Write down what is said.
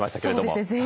そうですね。